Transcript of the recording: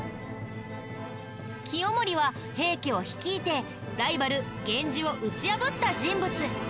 清盛は平家を率いてライバル源氏を打ち破った人物。